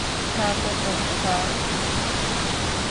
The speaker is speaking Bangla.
স্বাগতম, স্যার।